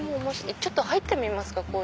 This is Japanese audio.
ちょっと入ってみますか。